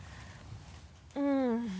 うん。